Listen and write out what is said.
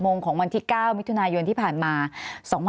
มีประวัติศาสตร์ที่สุดในประวัติศาสตร์